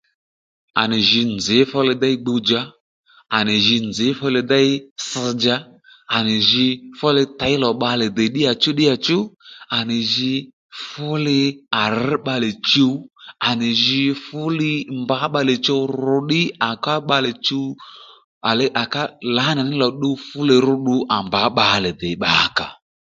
À nì jǐ nzǐ fuli déy gbu-dja à nì jǐ nzǐ fúli déy tss-dja à nì jǐ fúli těy lò bbalè dè ddíyàchú ddíyàchú à nì jǐ fúli à rř bbalè chuw à nì jǐ fúli mbǎ bbalè chuw ru ddí à ká bbalè chuw à lè à ká lǎnà ní lò tduw fúlè rú ddù à mbǎ bbalè dè bba kà